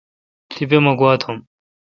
تیپہ مہ گوا توم۔